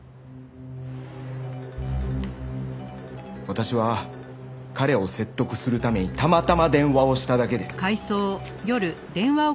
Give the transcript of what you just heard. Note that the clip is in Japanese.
私は彼を説得するためにたまたま電話をしただけで。